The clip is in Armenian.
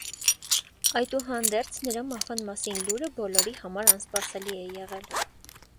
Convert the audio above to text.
Այդուհանդերձ, նրա մահվան մասին լուրը բոլորի համար անսպասելի է եղել։